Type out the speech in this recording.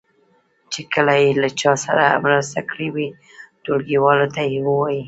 چې کله یې له چا سره مرسته کړې وي ټولګیوالو ته یې ووایي.